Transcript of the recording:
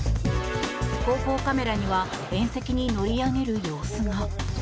後方カメラには縁石に乗り上げる様子が。